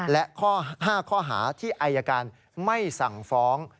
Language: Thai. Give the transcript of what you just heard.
และข้อ๕ข้อหาที่อายการไม่สั่งฟ้อง